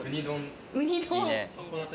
うに丼。